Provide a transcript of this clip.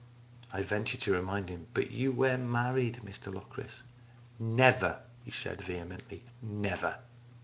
I ventured to remind him. " But you were married, Mr Locris." " Never," he said vehemently, " never